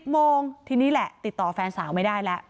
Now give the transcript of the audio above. โมงทีนี้แหละติดต่อแฟนสาวไม่ได้แล้ว